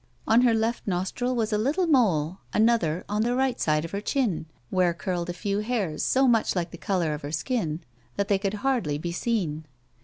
On her left nostril was a little mole, another on the right side of her chin, where curled a few hairs so much like the colour of her skin that they could hardly be seen.